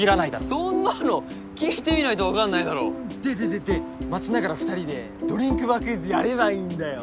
そんなの聞いてみないとわかんないだろでででで待ちながら２人でドリンクバークイズやればいいんだよ